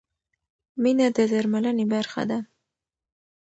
مینه د درملنې برخه ده.